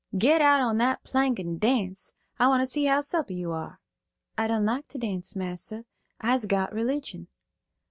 "Get out on that plank and dance. I want to see how supple you are." "I don't like to dance, massa; I'se got religion."